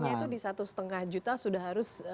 berarti alamnya itu di satu lima juta sudah harus